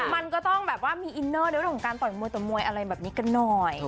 มันก็ต้องแบบว่ามีอินเนอร์ในเรื่องของการต่อยมวยต่อมวยอะไรแบบนี้กันหน่อย